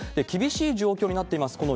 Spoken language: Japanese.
厳しい状況になっています